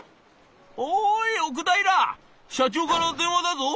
「おい奥平社長から電話だぞ」。